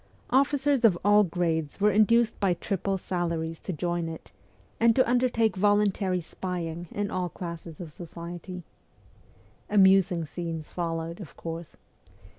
Officers of all grades were induced by triple salaries to join it, and to undertake voluntary spying in all classes of society. Amusing scenes followed, of course.